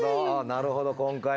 なるほど今回も。